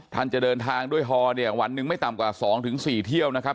ท่านจะเดินทางด้วยฮอเนี่ยวันหนึ่งไม่ต่ำกว่า๒๔เที่ยวนะครับ